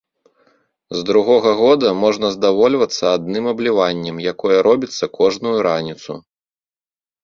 З другога года можна здавольвацца адным абліваннем, якое робіцца кожную раніцу.